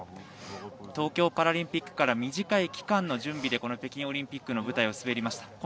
東京パラリンピックから短い期間の準備でこの北京パラリンピックの舞台を滑りました。